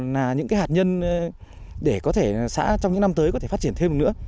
là những cái hạt nhân để có thể xã trong những năm tới có thể phát triển thêm nữa